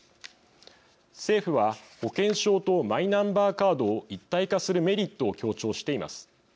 政府は保険証とマイナンバーカードを一体化するメリットを強調しています。